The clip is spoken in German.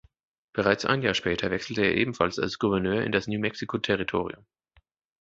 Bereits ein Jahr später wechselte er ebenfalls als Gouverneur in das New-Mexico-Territorium.